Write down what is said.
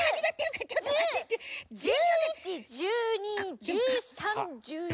１１１２１３１４！